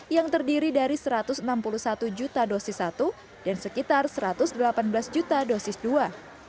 yang terdiri dari satu ratus enam puluh satu juta dosis satu dan sekitar satu ratus delapan belas juta dosis dua